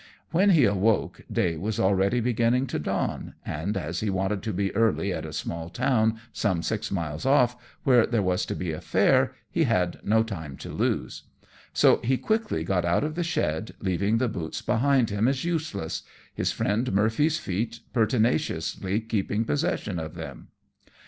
When he awoke day was already beginning to dawn, and as he wanted to be early at a small town, some six miles off, where there was to be a fair, he had no time to lose; so he quickly got out of the shed, leaving the boots behind him as useless his friend Murphy's feet pertinaciously keeping possession of them.